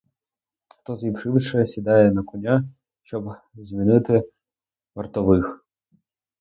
Хто з'їв швидше, сідає на коня, щоб змінити вартових.